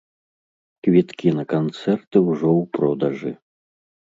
Квіткі на канцэрты ўжо ў продажы.